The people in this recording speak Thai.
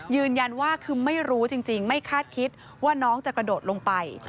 ยืนยันว่าคือไม่รู้จริงไม่คาดคิดว่าน้องจะกระโดดลงไป